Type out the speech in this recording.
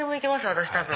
私多分。